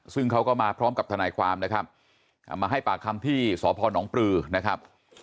ซึ่งเขาก็มาพร้อมกับทนายความนะครับมาให้ปากคำที่สพนปลือนะครับ